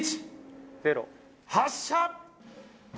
発射！